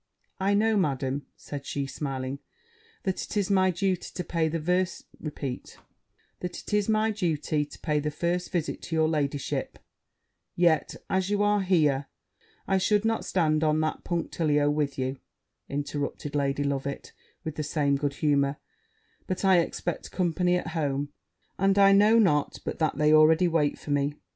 'I know, Madam,' said she, smiling, 'that it is my duty to pay the first visit to your ladyship yet, as you are here ' 'I should not stand on that punctilio with you,' interrupted Lady Loveit, with the same good humour; 'but I expect company at home; and I know not but that they already wait for me.'